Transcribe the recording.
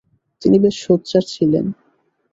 তিনি বেশ সোচ্চার ছিলেন।